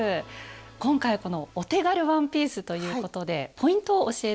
今回「お手軽ワンピース」ということでポイントを教えて下さい。